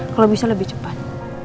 kalau bisa lebih cepat